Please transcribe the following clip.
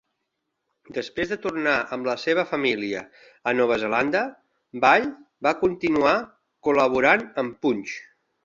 Després de tornar amb la seva família a Nova Zelanda, Ball va continuar col·laborant amb "Punch".